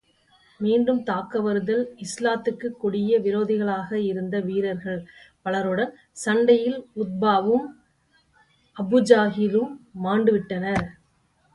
மீண்டும் தாக்க வருதல் இஸ்லாத்துக்குக் கொடிய விரோதிகளாக இருந்த வீரர்கள் பலருடன், சண்டையில் உத்பாவும், அபூஜஹிலும் மாண்டுவிட்டனர்.